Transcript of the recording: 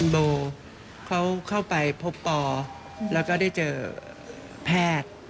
โบเขาเข้าไปพบปอแล้วก็ได้เจอแพทย์